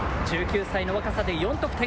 １９歳の若さで４得点。